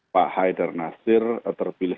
pak haidar nasir terpilih